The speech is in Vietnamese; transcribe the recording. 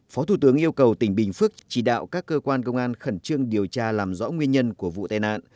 phó thủ tướng yêu cầu tỉnh bình phước chỉ đạo các cơ quan công an khẩn trương điều tra làm rõ nguyên nhân của vụ tai nạn